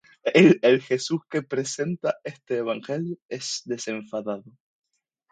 El Jesús que presenta este evangelio es desenfadado.